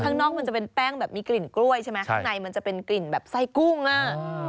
ข้างนอกมันจะเป็นแป้งแบบมีกลิ่นกล้วยใช่ไหมข้างในมันจะเป็นกลิ่นแบบไส้กุ้งอ่ะ